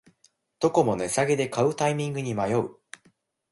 どこも値下げで買うタイミングに迷う